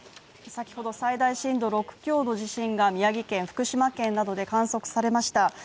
先ほど最大震度６強の地震が宮城県、福島県などで観測されました